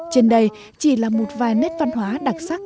trên đây chỉ là một vài nét văn hóa đặc sắc